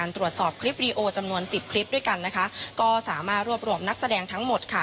ตรวจสอบคลิปวิดีโอจำนวนสิบคลิปด้วยกันนะคะก็สามารถรวบรวมนักแสดงทั้งหมดค่ะ